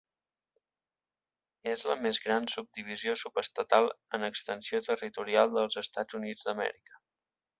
És la més gran subdivisió subestatal en extensió territorial dels Estats Units d'Amèrica.